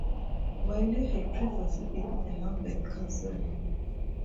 Walley had previously been a Lambeth councillor.